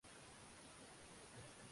kwa umoja afrika huko addis ababa